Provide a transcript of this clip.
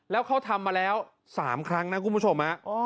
แล้วเขาทำมาแล้ว๓ครั้งนะคุณผู้ชม